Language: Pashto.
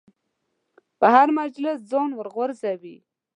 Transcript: په هر مجلس ځان ورغورځوي.